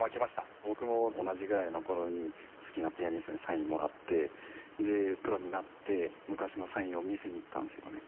僕も同じぐらいの頃に好きなピアニストにサインもらってでプロになって昔のサインを見せに行ったんですよね。